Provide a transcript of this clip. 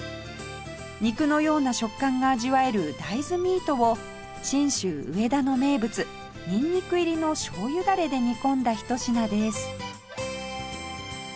肉のような食感が味わえる大豆ミートを信州上田の名物ニンニク入りの醤油だれで煮込んだひと品です